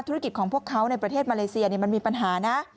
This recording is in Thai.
ของพวกเขาในประเทศมาเลเซียมันมีปัญหานะ